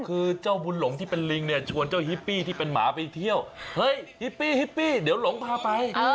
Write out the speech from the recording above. คือเจ้าบุญหลงที่เป็นลิงเนี่ยชวนเจ้าฮิปปี้ที่เป็นหมาไปเที่ยวเฮ้ยฮิปปี้ฮิปปี้เดี๋ยวหลงพาไป